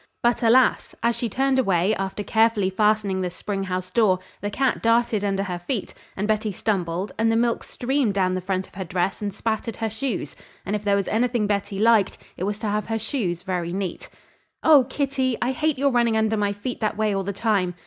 But, alas! As she turned away after carefully fastening the spring house door, the cat darted under her feet; and Betty stumbled and the milk streamed down the front of her dress and spattered her shoes and if there was anything Betty liked, it was to have her shoes very neat. "Oh, Kitty! I hate your running under my feet that way all the time."